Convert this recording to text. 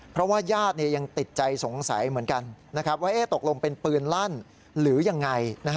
เพราะว่าญาติยังติดใจสงสัยเหมือนกันว่าตกลงเป็นปืนลั่นหรือยังไง